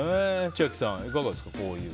千秋さん、いかがですか？